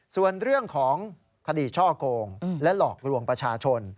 ส่วนเรื่องของคดีช่อกงและหลอกลวงประชาชน